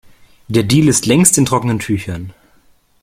Der Deal ist längst in trockenen Tüchern.